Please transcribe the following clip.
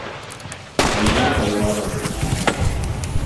Anem a Teulada.